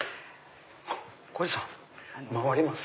こひさん回ります。